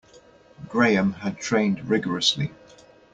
Graham had trained rigourously.